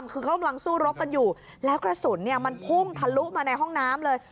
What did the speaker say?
คือเขากำลังสู้รบกันอยู่แล้วกระสุนมันพุ่งทะลุมาในห้องน้ำเลย